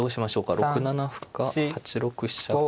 ６七歩か８六飛車か。